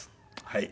はい。